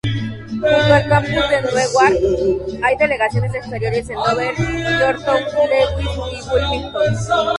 Junto al campus en Newark hay delegaciones exteriores en Dover, Georgetown, Lewes y Wilmington.